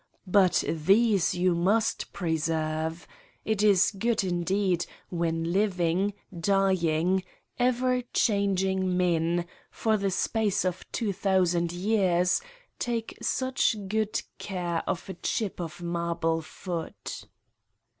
But these you must preserve. It is good, indeed, when living, dying, ever changing men, for the space of 2000 years, take such good care of a chip of marble foot.